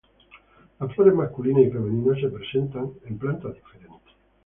Las flores masculinas y femeninas se presentan en plantas diferentes.